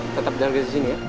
tetap jalan ke sini ya